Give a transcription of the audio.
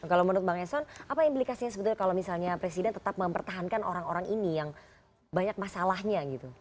kalau menurut bang eson apa implikasinya sebetulnya kalau misalnya presiden tetap mempertahankan orang orang ini yang banyak masalahnya gitu